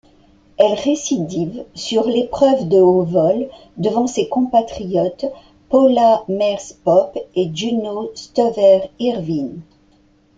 Elle récidive sur l'épreuve de haut-vol devant ses compatriotes Paula Myers-Pope et Juno Stover-Irwin.